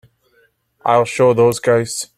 I'll show those guys.